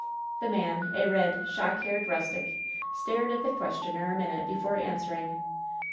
The man, a red, shock haired rustic, stared at the questioner a minute before answering.